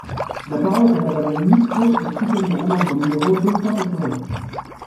La parole est à Madame la ministre, pour soutenir l’amendement numéro deux cent quatre-vingt-dix.